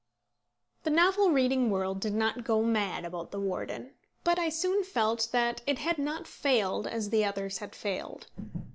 The novel reading world did not go mad about The Warden; but I soon felt that it had not failed as the others had failed.